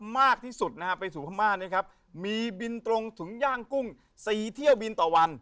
มากที่สุดนะฮะไปสู่พม่าเนี่ยครับมีบินตรงถึงย่างกุ้ง๔เที่ยวบินต่อวัน